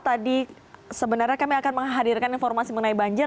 tadi sebenarnya kami akan menghadirkan informasi mengenai banjir